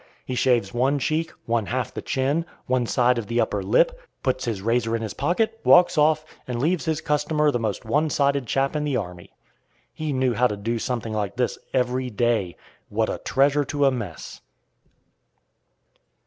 He shaves one cheek, one half the chin, one side of the upper lip, puts his razor in his pocket, walks off, and leaves his customer the most one sided chap in the army. He knew how to do something like this every day. What a treasure to a mess!